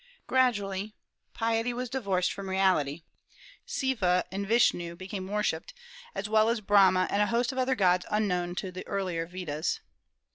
Gradually piety was divorced from morality. Siva and Vishnu became worshipped, as well as Brahma and a host of other gods unknown to the earlier Vedas.